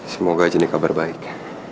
semoga aja ini kabar baik